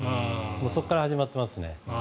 そこから始まっていますね。